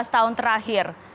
empat belas tahun terakhir